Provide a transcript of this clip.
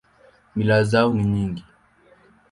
Mila zao ni nyingi.